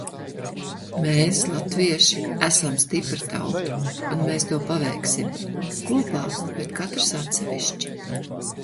Mēs, latvieši, esam stipra tauta! Un mēs to paveiksim! Kopā, bet katrs atsevišķi...